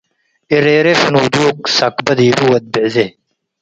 እሬሬ ፍኑዱግ ሰክበ ዲቡ ወድ ብዕዜ